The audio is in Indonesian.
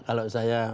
kalau saya menjaga